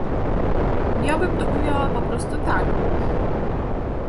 Ja bym to ujęła po prostu tak